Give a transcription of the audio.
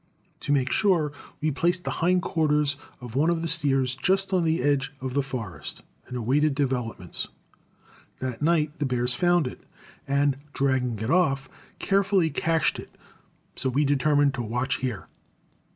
To make sure, we placed the hind quarters of one of the steers just on the edge of the forest, and awaited developments. That night the bears found it, and, dragging it off, carefully cached it; so we determined to watch here.